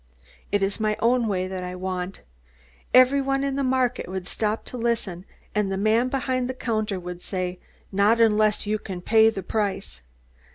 It is my own way that I want.' Everybody in the market would stop to listen, and the man behind the counter would say, 'Not unless you can pay the price.'